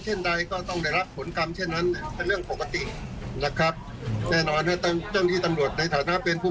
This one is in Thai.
เขาก็ต้องดำเนินการ